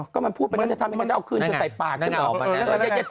ก็มันพูดไปแล้วจะทำยังไงจะเอาคืนจนใส่ปากฉันออกมานะ